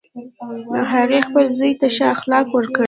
هغې خپل زوی ته ښه اخلاق ورکړی